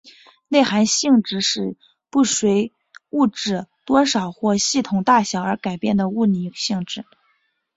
内含性质是不随物质多少或系统大小而改变的物理性质。